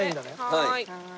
はい。